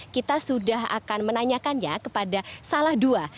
kita sudah akan menanyakannya kepada salah dua